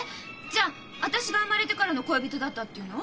じゃあ私が生まれてからの恋人だったって言うの？